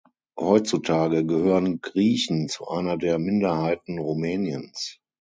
Heutzutage gehören Griechen zu einer der Minderheiten Rumäniens.